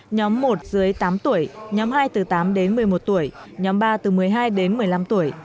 nhóm một dưới tám tuổi nhóm hai từ tám đến một mươi một tuổi nhóm ba từ một mươi hai đến một mươi năm tuổi